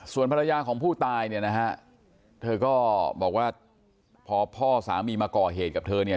ส่วนภรรยาของผู้ตายเนี่ยนะฮะเธอก็บอกว่าพอพ่อสามีมาก่อเหตุกับเธอเนี่ย